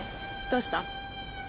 どうした？